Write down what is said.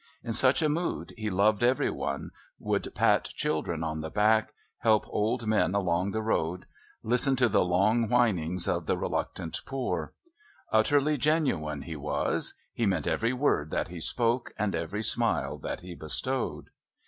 In such a mood he loved every one, would pat children on the back, help old men along the road, listen to the long winnings of the reluctant poor. Utterly genuine he was; he meant every word that he spoke and every smile that he bestowed.